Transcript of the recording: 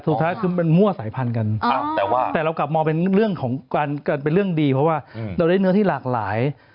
สุดท้ายคือมันมั่วสายพันธุ์กันแต่เรากลับมองเป็นเรื่องดีเพราะว่าเราได้เนื้อที่หลากหลาย